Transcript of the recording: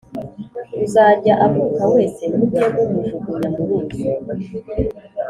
uzajya avuka wese mujye mumujugunya mu ruzi